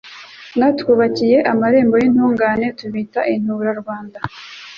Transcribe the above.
Mwatwubakiye amarembo y'intungane Tubita intura-Rwanda.